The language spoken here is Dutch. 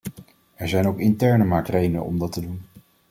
Er zijn ook interne marktredenen om dat te doen.